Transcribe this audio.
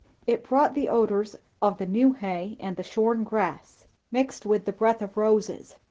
It brought the odours of the new hay and the shorn grass, mingled with the breath of roses.